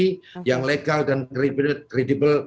dan yang legal dan kredibel